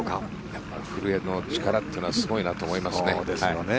やっぱり古江の力というのはすごいなと思いますね。